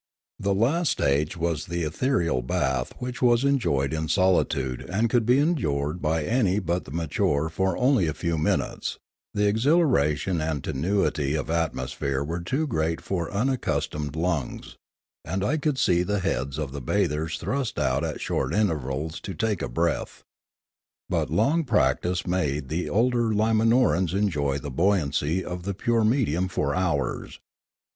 The last stage was the ethereal bath, which was enjoyed in solitude and could be endured by any but the mature for only a few minutes; the ex hilaration and tenuity of atmosphere were too great for unaccustomed lungs, and I could see the heads of the bathers thrust out at short intervals to take a breath. But long practice made the older Limanorans enjoy the buoyancy of the pure medium for hours.